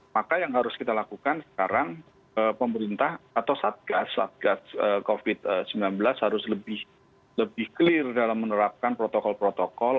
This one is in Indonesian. maka yang harus kita lakukan sekarang pemerintah atau satgas satgas covid sembilan belas harus lebih clear dalam menerapkan protokol protokol